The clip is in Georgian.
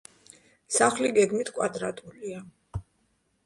სახლი გეგმით კვადრატულია.